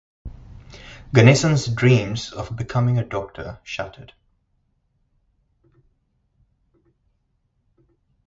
Ganesan's dreams of becoming a doctor shattered.